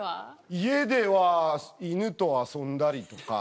家では犬と遊んだりとか。